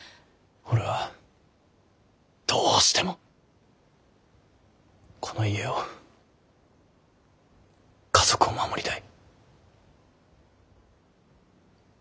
俺はどうしてもこの家を家族を守りたい。